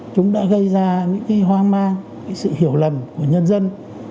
chúng đã gây ra những hoang mang sự hiểu lầm của nhân dân